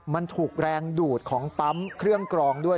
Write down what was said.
มันถูกแรงดูดของปั๊มเครื่องกรองด้วย